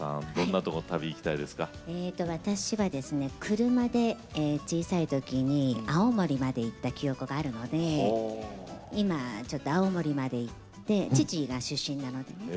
車で小さい時に青森まで行った記憶があるので今ちょっと青森まで行って父が出身なのでね